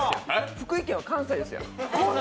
福井県は関西ですやん。